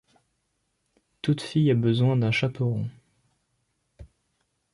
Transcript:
Toute fille a besoin d’un chaperon.